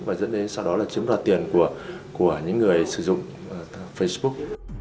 và dẫn đến sau đó là chiếm đoạt tiền của những người sử dụng facebook